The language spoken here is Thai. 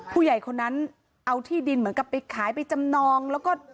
ผู้ใหญ่คนนั้นเอาที่ดินเหมือนกับไปขายไปจำนองแล้วก็